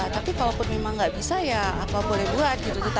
tapi kalau pun memang nggak bisa ya apa boleh buat gitu